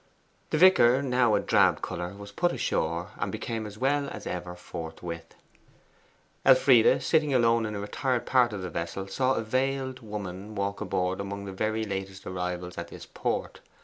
The vicar, now a drab colour, was put ashore, and became as well as ever forthwith. Elfride, sitting alone in a retired part of the vessel, saw a veiled woman walk aboard among the very latest arrivals at this port.